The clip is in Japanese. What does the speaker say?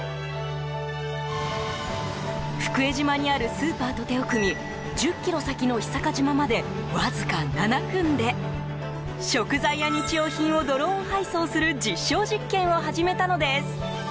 福江島にあるスーパーと手を組み１０ｋｍ先の久賀島までわずか７分で食材や日用品をドローン配送する実証実験を始めたのです。